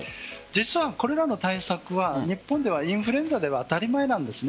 実はこれらの対策は日本ではインフルエンザでは当たり前なんです。